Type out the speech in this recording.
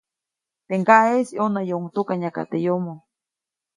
Teʼ ŋgaʼeʼis ʼyonäyuʼuŋ tukanyaka teʼ yomo,.